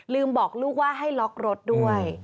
บอกลูกว่าให้ล็อกรถด้วย